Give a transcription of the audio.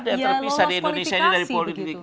ada yang terpisah di indonesia ini dari politik